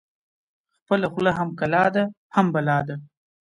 ـ خپله خوله هم کلا ده هم بلا ده.